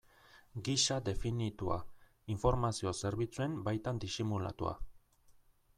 Gisa definitua, informazio zerbitzuen baitan disimulatua.